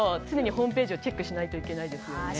常にホームページをチェックしないといけないですね。